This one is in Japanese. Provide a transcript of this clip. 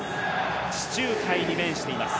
地中海に面しています。